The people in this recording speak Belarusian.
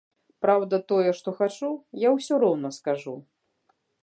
Праўда, тое, што хачу, я ўсё роўна скажу.